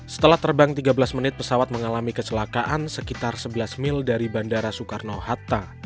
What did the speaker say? setelah terbang tiga belas menit pesawat mengalami kecelakaan sekitar sebelas mil dari bandara soekarno hatta